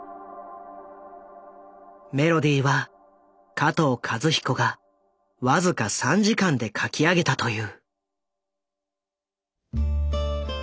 メロディーは加藤和彦がわずか３時間で書き上げたという。